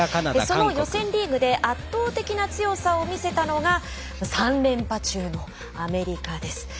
その予選リーグで圧倒的な強さを見せたのが３連覇中のアメリカです。